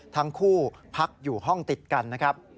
ทั้งคู่พักอยู่ห้องติดกันนะครับ